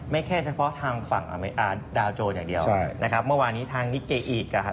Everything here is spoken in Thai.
เมื่อคำวันนี้ดาวโจรปิดบวกไป๒๓๓หรือบวกขึ้นมา๕๖๗